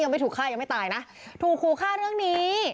ไม่ถูกฆ่ายังไม่ตายนะถูกขู่ฆ่าเรื่องนี้